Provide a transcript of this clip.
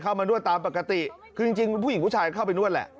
มานวดตามปกติคือจริงผู้หญิงผู้ชายเข้าไปนวดแหละ